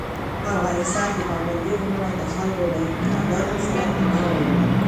په افغانستان کې پابندی غرونه د خلکو د اعتقاداتو سره تړاو لري.